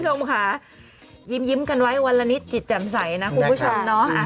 คุณผู้ชมค่ะยิ้มกันไว้วันละนิดจิตแจ่มใสนะคุณผู้ชมเนาะ